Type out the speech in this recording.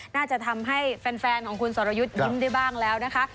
น่าจะทำให้แฟนของคุณสรยุทธ์ยิ้มได้บ้างแล้วนะคะ